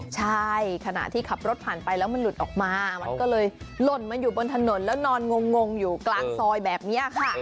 ใช่ขณะที่ขับรถผ่านไปแล้วมันหลุดออกมามันก็เลยหล่นมันอยู่บนถนนแล้วนอนงงอยู่กลางซอยแบบนี้ค่ะ